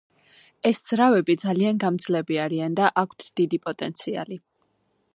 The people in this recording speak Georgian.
ეს ძრავები ძალიან გამძლეები არიან და აქვთ დიდი პოტენციალი.